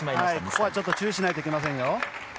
ここは注意しないといけませんよ。